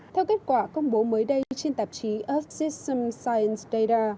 theo kết quả công bố mới đây trên tạp chí earth system science data